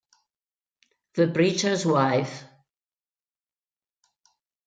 The Preacher's Wife